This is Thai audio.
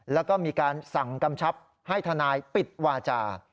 แล้วก็มีการสั่งกำชับให้ทนายปิดวาจา